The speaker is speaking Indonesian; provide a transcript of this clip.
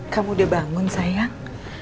kamu udah bangun sayang